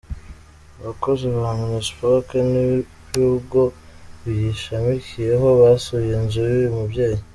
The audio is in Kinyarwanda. Abakozi ba Minispoc n'ibigo biyishamikiyeho basuye inzu y'uyu mubyeyi.